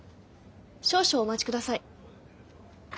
少々お待ち下さい。